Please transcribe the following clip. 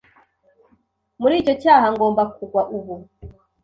Muri icyo cyaha ngomba kugwa ubu